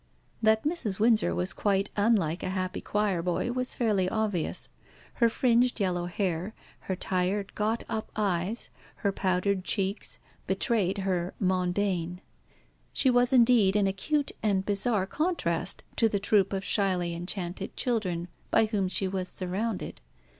That Mrs. Windsor was quite unlike a happy choir boy was fairly obvious. Her fringed yellow hair, her tired, got up eyes, her powdered cheeks, betrayed her mondaine. She was indeed an acute and bizarre contrast to the troop of shyly enchanted children by whom she was surrounded.